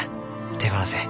手放せん。